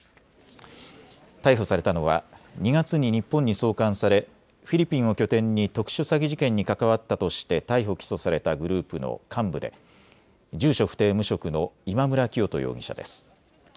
逮捕されたのは２月に日本に送還されフィリピンを拠点に特殊詐欺事件に関わったとして逮捕・起訴されたグループの幹部で住所不定、無職の今村磨人容疑者です。